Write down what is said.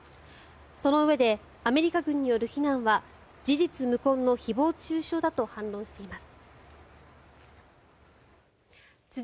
そのうえでアメリカ軍による非難は事実無根の誹謗・中傷だと反論しています。